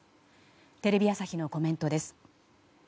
テレビ朝日のコメントです。